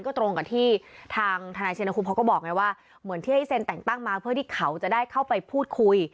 ก็ตรงกับที่ทางทนายชินคุมเขาก็บอกไงว่าเหมือนที่ให้เซ็นแต่งตั้งมาเพื่อที่เขาจะได้เข้าไปพูดคุย